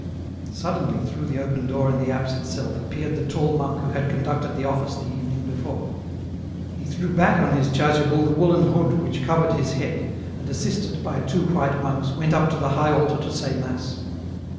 Suddenly through the open door in the apse itseli appeared the tall monk who had conducted the office the evening before. He threw back on his chasuble the woollen hood which covered his head, and assisted by two white monks went up to the high altar to say mass.